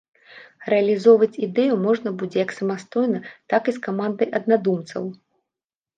Рэалізоўваць ідэю можна будзе як самастойна, так і з камандай аднадумцаў.